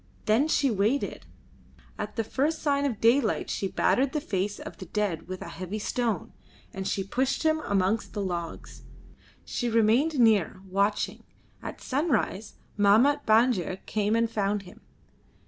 Then she waited. At the first sign of daylight she battered the face of the dead with a heavy stone, and she pushed him amongst the logs. She remained near, watching. At sunrise Mahmat Banjer came and found him.